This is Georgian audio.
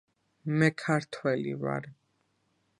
მე ქართველი ვარ.